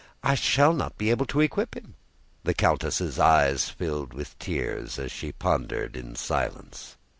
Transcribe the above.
I shall not be able to equip him." The countess' eyes filled with tears and she pondered in silence.